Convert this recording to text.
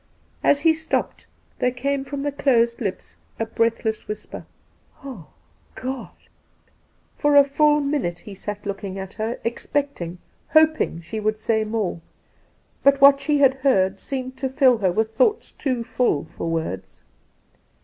As he stopped there came from the closed lips a breathless whisper—' Ah, God !' For a full minute he sat looking at her, expect ing, hoping she would say more ; 'but what she had heard seemed to fill her with thoughts too full for words.